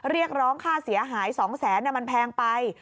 เรียกร้องค่าเสียหาย๒แสนมันแพงไป